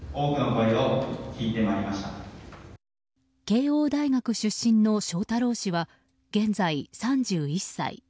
慶應大学出身の翔太郎氏は現在、３１歳。